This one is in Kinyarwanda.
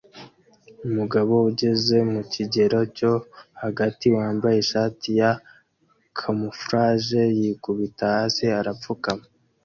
Umugabo ugeze mu kigero cyo hagati wambaye ishati ya kamouflage yikubita hasi arapfukama